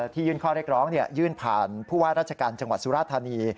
ยื่นข้อเรียกร้องยื่นผ่านผู้ว่าราชการจังหวัดสุราธานี